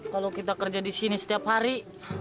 kalau kita kerja di sini setiap hari